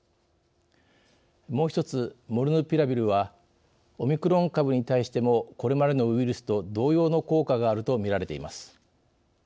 もう１つ、モルヌピラビルはオミクロン株に対してもこれまでのウイルスと同様の効果があるとみられています。